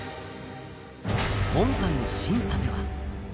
今回の審査では。